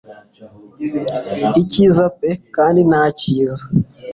Icyiza pe kandi nta cyiza: